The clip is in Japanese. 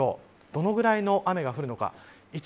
どのぐらいの雨が降るのか。